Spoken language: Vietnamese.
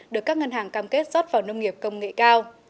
được các ngân hàng cam kết rót vào nông nghiệp công nghệ cao